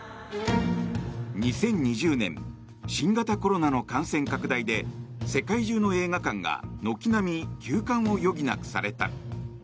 ２０２０年新型コロナの感染拡大で世界中の映画館が軒並み休館を余儀なくされた。